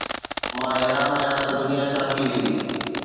مان حيران آهيان ته دنيا ڇا ٿي ويندي